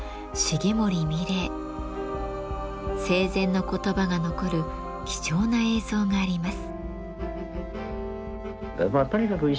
生前の言葉が残る貴重な映像があります。